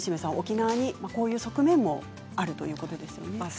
こういう側面もあるということですね。